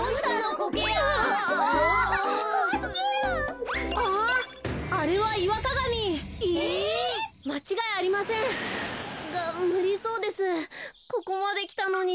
ここまできたのに。